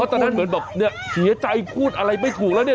เพราะฉะนั้นเหมือนแบบเสียใจพูดอะไรไม่ถูกแล้วนี่